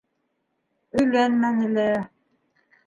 Өйләнмәне лә.